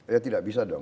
ya tidak bisa dong